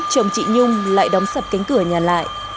chồng chị nhung lại đóng sập cánh cửa nhà lại